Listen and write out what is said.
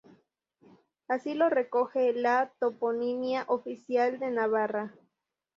Así lo recoge la Toponimia Oficial de Navarra.